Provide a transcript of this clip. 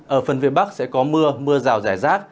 ở phần phía bắc sẽ có mưa mưa rào rải rác